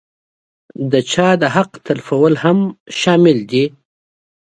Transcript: چا د حق تلفول هم شامل دي.